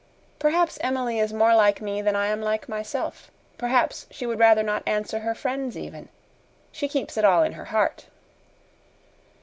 Perhaps Emily is more like me than I am like myself. Perhaps she would rather not answer her friends, even. She keeps it all in her heart."